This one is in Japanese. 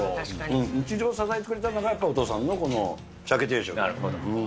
日常を支えてくれたのが、やっぱりお父さんのこのシャケ定食。